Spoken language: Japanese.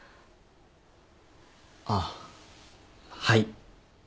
あっはい。